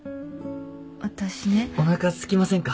おなかすきませんか？